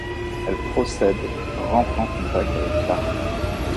Elle procède rentre en contact avec Clara.